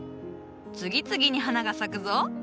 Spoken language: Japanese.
次々に花が咲くぞ。